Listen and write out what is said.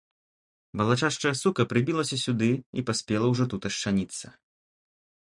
Валачашчая сука прыбілася сюды і паспела ўжо тут ашчаніцца.